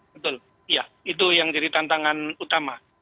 betul ya itu yang jadi tantangan utama